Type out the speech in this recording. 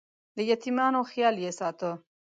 د یتیمانو خیال یې ساته.